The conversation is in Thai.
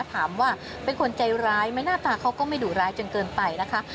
ถามว่าเป็นคนใจร้ายไหมหน้าตาเขาก็ไม่ดุร้ายจนเกินไปนะคะ